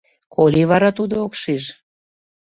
Коли вара тудо ок шиж?